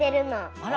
あら。